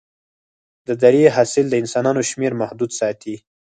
د درې حاصل د انسانانو شمېر محدود ساتي.